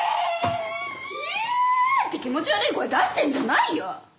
ひいいって気持ち悪い声出してんじゃないよ！